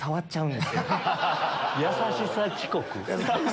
優しさ遅刻？